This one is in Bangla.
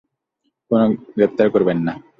গ্রেফতার করবেন না!